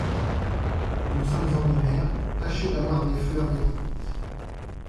Nous sommes en hiver, tâchez d’avoir des fleurs des Tropiques.